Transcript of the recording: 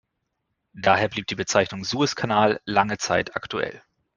Daher blieb die Bezeichnung „Suezkanal“ lange Zeit aktuell.